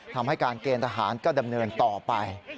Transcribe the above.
ทำให้การเกณฑ์ทหารก็ดำเนินต่อไป